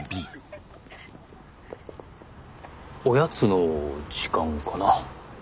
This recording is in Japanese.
おやつの時間かな？